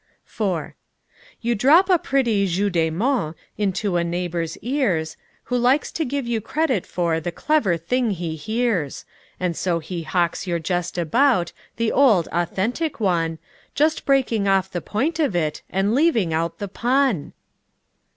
IV You drop a pretty jeu de mot Into a neighbor's ears, Who likes to give you credit for The clever thing he hears, And so he hawks your jest about, The old, authentic one, Just breaking off the point of it, And leaving out the pun!